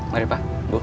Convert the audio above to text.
mari pak ibu